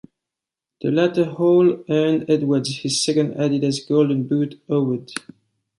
The latter haul earned Edwards his second Adidas Golden Boot award.